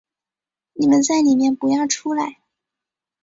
你们在里面不要出来